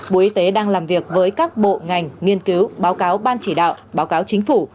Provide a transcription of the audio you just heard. bộ y tế đang làm việc với các bộ ngành nghiên cứu báo cáo ban chỉ đạo báo cáo chính phủ